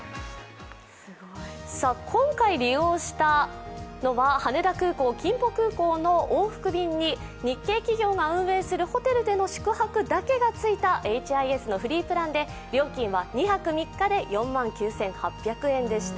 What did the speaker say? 今回利用したのは羽田空港−キンポ空港の往復便に日系企業が運営するホテルでの宿泊だけがついたエイチ・アイ・エスのフリープランで料金は２泊３日で４万９８００円でした。